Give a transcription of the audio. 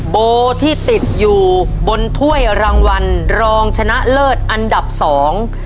โบที่ติดอยู่บนถ้วยรางวัลรองชนะเลิศอันดับสอง